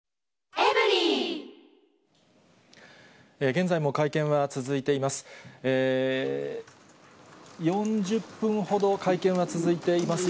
現在も会見は続いています。